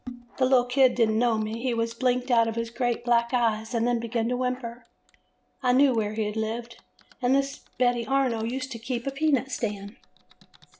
"The little kid did n't know me. He blinked out of his great black eyes, and then began to whimper. I knew where he had lived, and this Betty Arno used to keep a peanut stand.